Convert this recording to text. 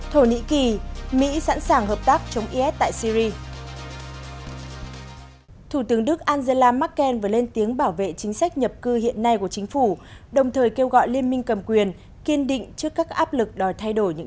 hãy đăng ký kênh để nhận thông tin nhất